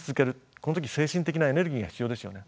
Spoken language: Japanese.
この時精神的なエネルギーが必要ですよね。